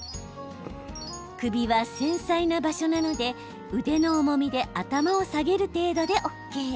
首は繊細な場所なので腕の重みで頭を下げる程度でＯＫ。